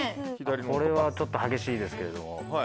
これはちょっと激しいですけれども。